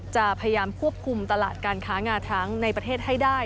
จะพยายามควบคุมตลาดการค้างาช้างในประเทศให้ได้